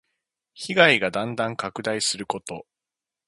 被害がだんだん拡大すること。